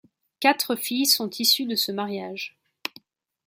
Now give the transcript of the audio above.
Quatre filles sont issues de ce mariage.